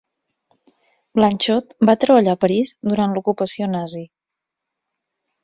Blanchot va treballar a París durant l'ocupació nazi.